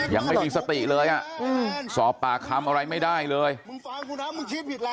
ยังไม่มีสติเลยอ่ะสอบปากคำอะไรไม่ได้เลยมึงฟังกูนะมึงคิดผิดแล้ว